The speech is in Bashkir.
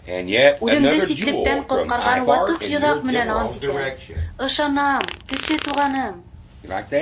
— Үҙемде ситлектән ҡотҡарған ватыҡ йоҙаҡ менән ант итәм: ышанам, Кесе Туғаным!